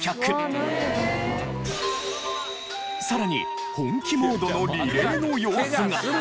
さらに本気モードのリレーの様子が。